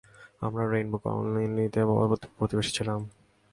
আমরা রেইনবো কলোনিতে প্রতিবেশী ছিলাম।